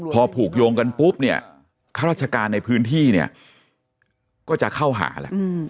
พอผูกโยงกันปุ๊บเนี่ยข้าราชการในพื้นที่เนี่ยก็จะเข้าหาแล้ว